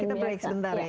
kita break sebentar ya